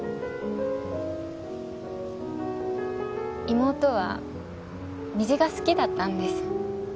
妹は虹が好きだったんです。